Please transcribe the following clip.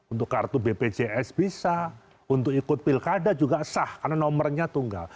untuk kartu bpjs bisa untuk ikut pilkada juga sah karena nomornya tunggal